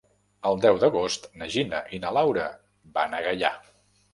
El deu d'agost na Gina i na Laura van a Gaià.